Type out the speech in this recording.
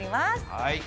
はい。